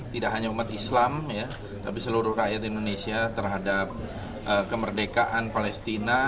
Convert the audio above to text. tidak hanya umat islam tapi seluruh rakyat indonesia terhadap kemerdekaan palestina